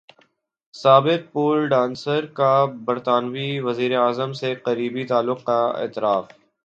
سابق pole dancer کا برطانوی وزیراعظم سے قریبی تعلق کا اعتراف